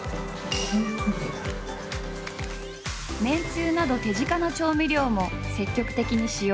めんつゆなど手近な調味料も積極的に使用。